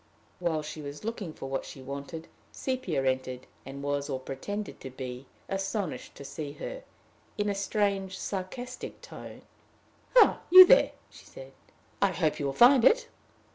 "While she was looking for what she wanted, Sepia entered, and was, or pretended to be, astonished to see her. In a strange, sarcastic tone: "Ah, you there!" she said. "I hope you will find it."